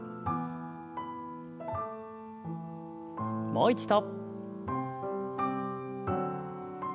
もう一度。